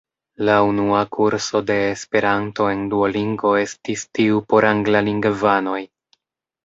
La unua kurso de Esperanto en Duolingo estis tiu por anglalingvanoj.